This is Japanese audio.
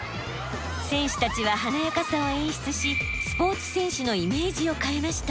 選手たちは華やかさを演出しスポーツ選手のイメージを変えました。